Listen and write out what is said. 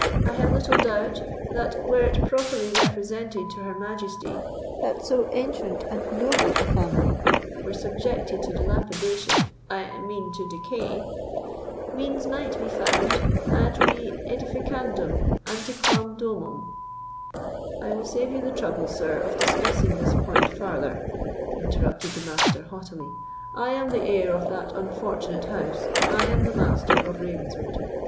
I have little doubt that, were it properly represented to her Majesty that so ancient and noble a family were subjected to dilapidation—I mean to decay—means might be found, ad re ædificandum antiquam domum——" "I will save you the trouble, sir, of discussing this point farther," interrupted the Master, haughtily. "I am the heir of that unfortunate house—I am the Master of Ravenswood.